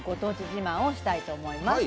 自慢をしたいと思います。